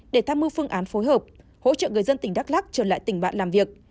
để tham mưu phương án phối hợp hỗ trợ người dân tỉnh đắk lắc trở lại tỉnh bạn làm việc